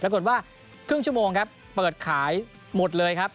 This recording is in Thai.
กว่าครึ่งชั่วโมงครับเปิดขายหมดเลยครับ